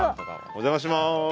お邪魔します。